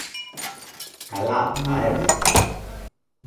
Καλά, θα έρθω.